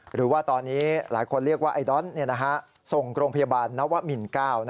หรือว่าตอนนี้หลายคนเรียกว่าไอ้ดอนส่งโรงพยาบาลนวมิน๙